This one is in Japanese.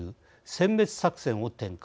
せん滅作戦を展開。